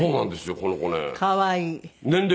この子ね。